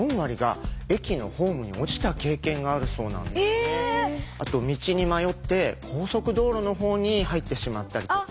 例えばあと道に迷って高速道路のほうに入ってしまったりとか。